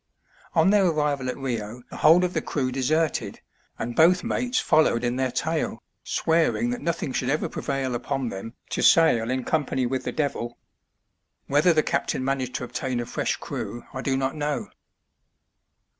On their arrival at Rio the whole of the crew deserted, and both mates followed in their tail, swearing that nothing should ever prevail upon them to sail in company with the devil. Whether the captain managed to obtain a fresh crew I do not know.